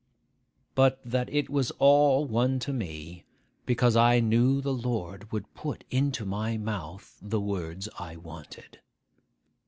but that it was all one to me, because I knew the Lord would put into my mouth the words I wanted.